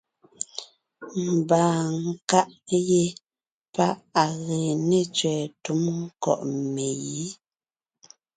Ḿbaa nkàʼ yé páʼ à gee ne tsẅɛ̀ɛ túm ńkɔ̂ʼ megǐ.